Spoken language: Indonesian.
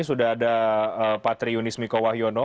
sudah ada patry unis miko wahyono